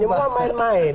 ini semua main main